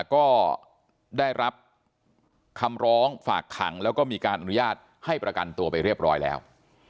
ก็ได้รับคำร้องฝากขังแล้วก็มีการอนุญาตให้ประกันตัวไปเรียบร้อยแล้ว